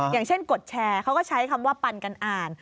อย่างเช่นกดแชร์เขาก็ใช้คำว่าปันกันอ่าน